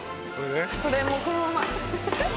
これもうこのままフフフ。